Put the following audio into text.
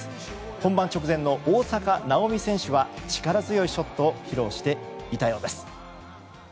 本番直前の大坂なおみ選手は力強いショットを披露していたようです。